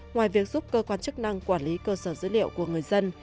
ngoài việc giúp cơ quan chức năng quản lý cơ sở dữ liệu của người dân